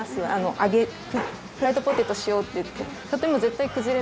揚げフライドポテトしようっていって。